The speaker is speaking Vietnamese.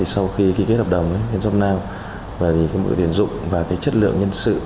sau khi ký kết hợp đồng jobnow bởi vì mức tuyển dụng và chất lượng nhân sự